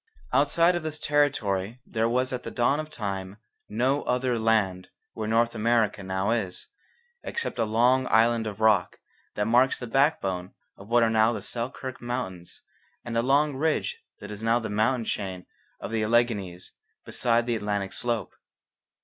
Outside of this territory there was at the dawn of time no other 'land' where North America now is, except a long island of rock that marks the backbone of what are now the Selkirk Mountains and a long ridge that is now the mountain chain of the Alleghanies beside the Atlantic slope.